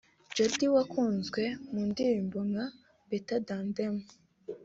Jody wakunzwe mu ndirimbo nka ‘Better than Them’